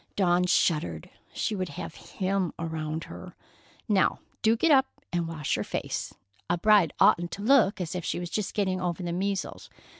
Dawn shuddered. She would have him around her. "Now, do get up and wash your face. A bride oughtn't to look as if she was just getting over the measles.